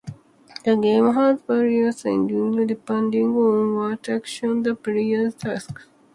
The game has various endings depending on what actions the player takes.